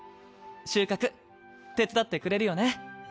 収穫手伝ってくれるよね？